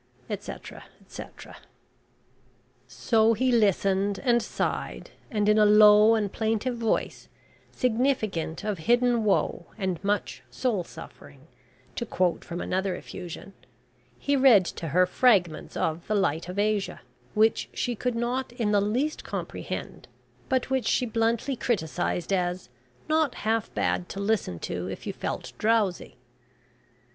Etcetera, etcetera. So he listened and sighed, and in a low and plaintive voice, significant of hidden woe and much "soul suffering," to quote from another effusion, he read to her fragments of the "Light of Asia," which she could not in the least comprehend, but which she bluntly criticised as "not half bad to listen to if you felt drowsy."